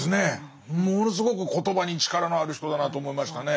ものすごく言葉に力のある人だなと思いましたね。